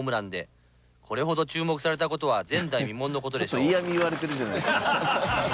ちょっと嫌み言われてるじゃないですか。